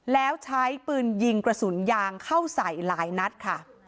แล้วใช้ปืนยิงกระสุนยางเข้าใส่หลายนัดค่ะ